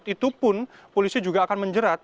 itu pun polisi juga akan menjerat